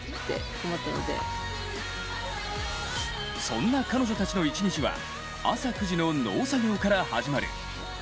そんな彼女たちの一日は朝９時の農作業から始まる。